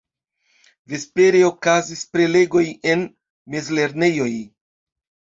Vespere okazis prelegoj en mezlernejoj.